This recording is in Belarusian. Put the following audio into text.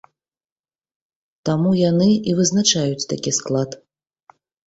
Таму яны і вызначаюць такі склад.